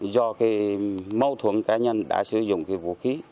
do mâu thuẫn cá nhân đã sử dụng vũ khí